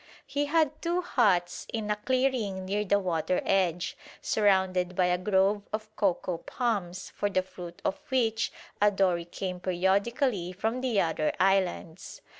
He had two huts in a clearing near the water edge, surrounded by a grove of cocoa palms for the fruit of which a dory came periodically from the other islands.